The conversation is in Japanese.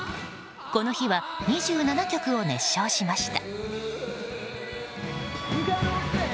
この日は２７曲を熱唱しました。